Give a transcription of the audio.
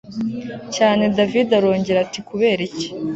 cyane david arongera ati kuberiki